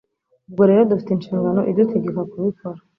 Ubwo rero dufite inshingano idutegeka kubikora,